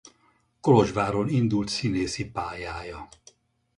Kolozsváron indult színészi pályája.